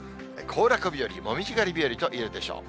行楽日和、紅葉狩り日和といえるでしょう。